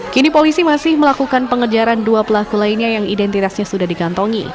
kini polisi masih melakukan pengejaran dua pelaku lainnya yang identitasnya sudah dikantongi